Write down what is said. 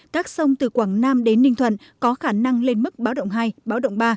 các sông từ quảng nam đến ninh thuận có khả năng lên mức báo động hai báo động ba